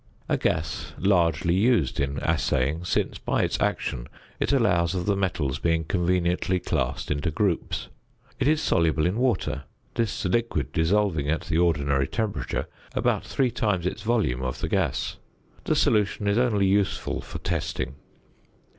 A gas largely used in assaying, since by its action it allows of the metals being conveniently classed into groups. It is soluble in water, this liquid dissolving at the ordinary temperature about three times its volume of the gas. The solution is only useful for testing.